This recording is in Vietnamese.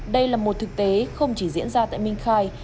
đây là một thực tế không chỉ diễn ra tại minh khai